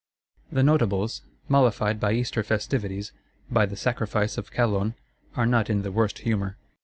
The Notables, mollified by Easter festivities, by the sacrifice of Calonne, are not in the worst humour.